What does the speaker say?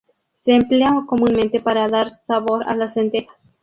Se emplea comúnmente para dar sabor a las lentejas.